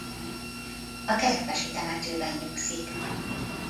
A Kerepesi temetőben nyugszik.